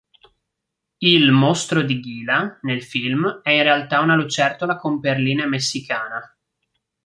Il "mostro di Gila" nel film è in realtà una lucertola con perline messicana.